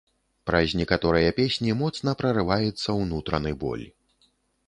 Праз некаторыя песні моцна прарываецца ўнутраны боль.